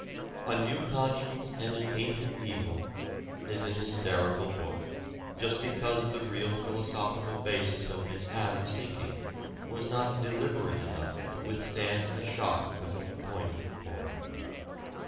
"A New Conscience and an Ancient Evil" is an hysterical book, just because the real philosophical basis of Miss Addams' thinking was not deliberate enough to withstand the shock of a poignant horror.